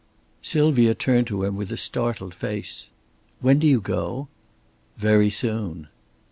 Sylvia turned to him with a startled face. "When do you go?" "Very soon."